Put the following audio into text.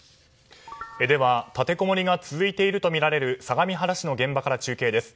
立てこもりが続いているとみられる相模原市の現場から中継です。